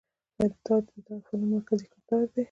تاج د دغه فلم مرکزي کردار دے.